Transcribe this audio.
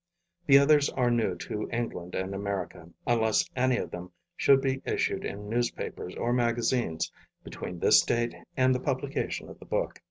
The others are new to England and America, unless any of them should be issued in newspapers or magazines between this date and the publication of the book.